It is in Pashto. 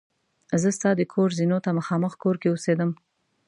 زه ستا د کور زینو ته مخامخ کور کې اوسېدم.